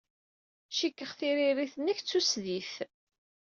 Cikkeɣ tiririt-nnek d tusdidt.